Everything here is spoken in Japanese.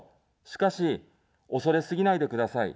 しかし、恐れすぎないでください。